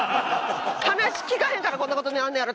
話聞かへんからこんな事になんねやろ！